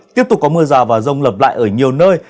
tiếp tục có mưa rào và rông lặp lại ở nhiều nơi